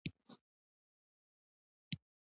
بزګرانو تمایل درلود په هره بیه ودرېږي.